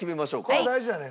これ大事だね。